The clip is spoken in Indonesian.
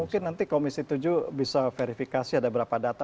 mungkin nanti komisi tujuh bisa verifikasi ada berapa data